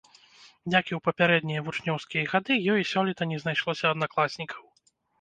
Як і ў папярэднія вучнёўскія гады, ёй і сёлета не знайшлося аднакласнікаў.